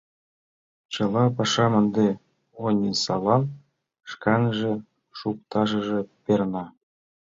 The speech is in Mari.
Чыла пашам ынде Онисалан шканже шукташыже перна.